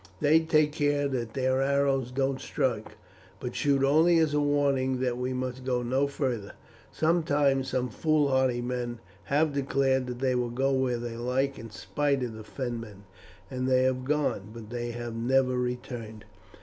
They take care that their arrows don't strike, but shoot only as a warning that we must go no farther. Sometimes some foolhardy men have declared that they will go where they like in spite of the Fenmen, and they have gone, but they have never returned.